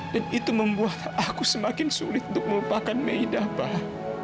dan itu membuat aku semakin sulit untuk melupakan meda pak